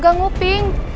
sekarang gue tanya sama lo